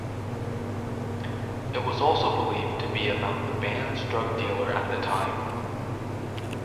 It was also believed to be about the band's drug dealer at the time.